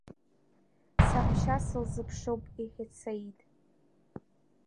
Саҳәшьа сылзыԥшуп, – иҳәеит Саид.